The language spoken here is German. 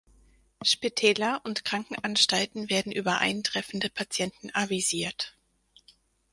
Spitäler und Krankenanstalten werden über eintreffende Patienten avisiert.